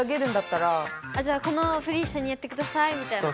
じゃあこのふりいっしょにやってくださいみたいな。